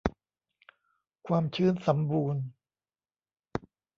ความชื้นสัมบูรณ์